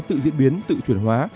tự diễn biến tự chuyển hóa